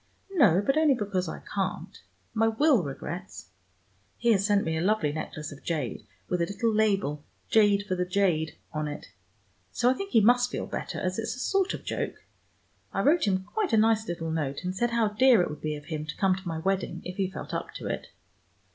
"No, but only because I can't. My will regrets. He has sent me a lovely necklace of jade, with a little label, 'Jade for the jade,' on it. So I think he must feel better, as it's a sort of joke. I wrote him quite a nice little note, and said how dear it would be of him to come to my wedding, if he felt up to it."